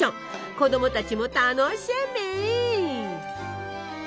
子どもたちも楽しみ！